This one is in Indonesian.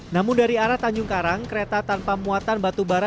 namun dari arah tanjung karang kereta tanpa muatan batu bara